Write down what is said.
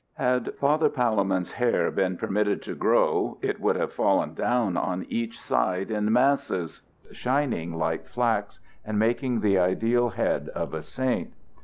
Had Father Palemon's hair been permitted to grow, it would have fallen down on each side in masses shining like flax and making the ideal head of a saint.